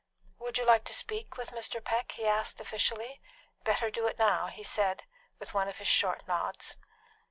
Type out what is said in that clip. "Would you like to speak with Mr. Peck?" he asked officially. "Better do it now," he said, with one of his short nods.